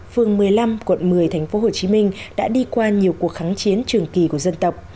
phường một mươi năm quận một mươi thành phố hồ chí minh đã đi qua nhiều cuộc kháng chiến trường kỳ của dân tộc